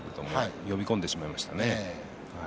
呼び込んでしまいました。